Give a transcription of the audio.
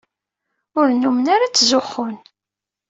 Ur nnummen ara ttzuxxun.